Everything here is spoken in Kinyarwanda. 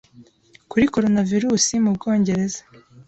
kuri coronavirus mu Bwongereza